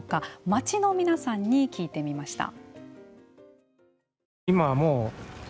町の皆さんに聞いてみました。